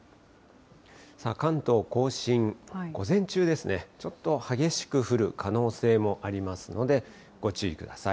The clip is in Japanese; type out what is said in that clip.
関東甲信、午前中ですね、ちょっと激しく降る可能性もありますので、ご注意ください。